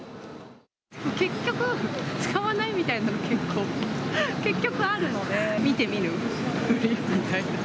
結局使わないみたいな服が結構、結局あるので、見て見ぬふりみたいな。